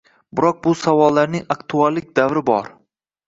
Biroq bu savollarning aktuallik davri bor